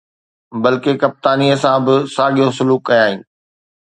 بلڪ ڪپتانيءَ سان به ساڳيو سلوڪ ڪيائين.